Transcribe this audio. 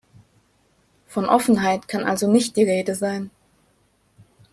Von Offenheit kann also nicht die Rede sein.